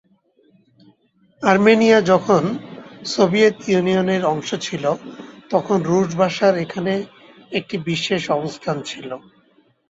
Armenia যখন Soviet ইউনিয়নের অংশ ছিল তখন রুশ ভাষার এখানে একটি বিশেষ অবস্থান ছিল।